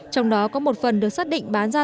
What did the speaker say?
trong đó có một phần được xác định bán ra